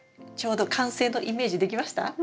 ちょうど完成のイメージできました？